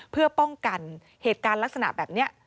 เพื่อป้องกันเหตุการณ์ลักษณะแบบนี้